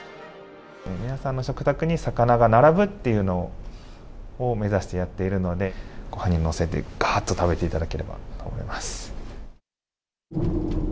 皆さんの食卓に魚が並ぶっていうのを目指してやっているので、ごはんに載せてがーっと食べていただければと思います。